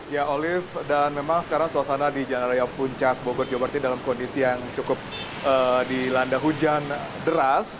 ya olive dan memang sekarang suasana di jalan raya puncak bogor jawa barat ini dalam kondisi yang cukup dilanda hujan deras